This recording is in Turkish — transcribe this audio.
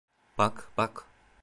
Bak, bak.